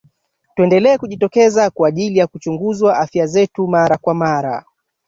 tuendelee kujitokeza kwa ajili ya kuchunguzwa afya zetu mara kwa mara